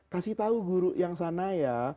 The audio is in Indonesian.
kasih tahu guru yang sana ya